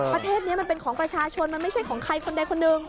ประเทศนี้มันเป็นของประชาชนมันไม่ใช่ของใครคนใดคนหนึ่ง